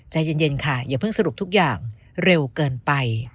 ใจเย็นค่ะอย่าเพิ่งสรุปทุกอย่างเร็วเกินไป